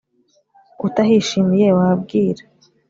utahishimiye wabwira